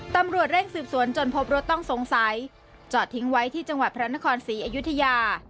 ตำรวจเร่งสืบสวนจนพบรถต้องสงสัยจอดทิ้งไว้ที่จังหวัดพระนครศรีอยุธยา